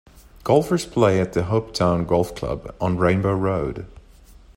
Golfers play at the Hopetoun Golf Club on Rainbow Road.